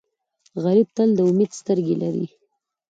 غریب تل د امید سترګې لري